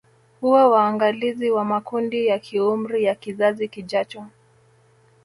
Huwa waangalizi wa makundi ya kiumri ya kizazi kijacho